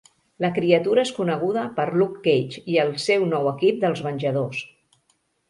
La criatura és coneguda per Luke Cage i el seu nou equip dels Venjadors.